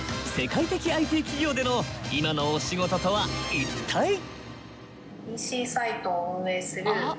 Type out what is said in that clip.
世界的ＩＴ企業での今のお仕事とは一体？